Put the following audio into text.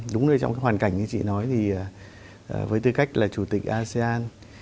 đúng đấy trong hoàn cảnh như chị nói thì với tư cách là chủ tịch asean